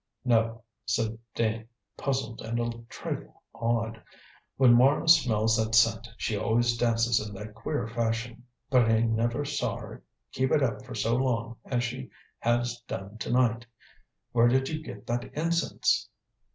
"No," said Dane, puzzled and a trifle awed. "When Mara smells that scent, she always dances in that queer fashion. But I never saw her keep it up for so long as she has done to night. Where did you get that incense!"